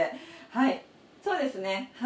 はいそうですね。